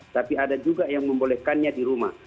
tapi ada juga yang membolehkannya di rumah